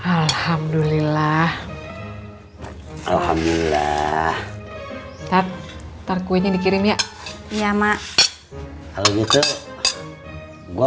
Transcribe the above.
alhamdulillah alhamdulillah tetap taruh kuenya dikirim ya iya mak kalau gitu gua